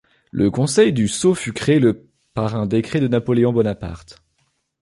Le Conseil du Sceau fut créé le par un décret de Napoléon Bonaparte.